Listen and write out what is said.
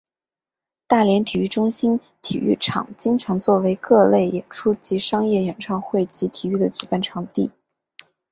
大连体育中心体育场经常作为各类演出及商业演唱会及体育的举办场地。